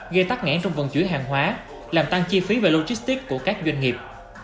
gây tắt ngãn trong vận chuyển hàng hóa làm tăng chi phí về logistic của các doanh nghiệp